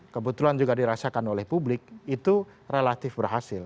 kebetulan juga dirasakan oleh publik itu relatif berhasil